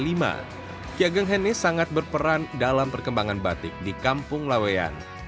kiai ageng hanis sangat berperan dalam perkembangan batik di kampung laweyan